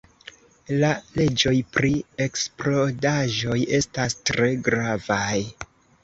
La leĝoj pri eksplodaĵoj estas tre gravaj.